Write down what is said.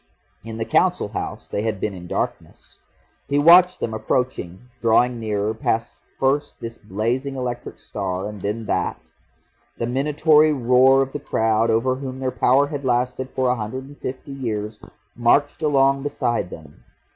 In the Council House they had been in darkness. He watched them approaching, drawing nearer past first this blazing electric star and then that; the minatory roar of the crowd over whom their power had lasted for a hundred and fifty years marched along beside them.